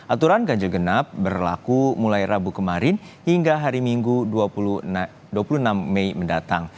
aturan ganjil genap berlaku mulai rabu kemarin hingga hari minggu dua puluh enam mei mendatang